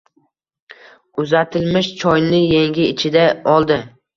Uzatilmish choyni yengi ichida oldi.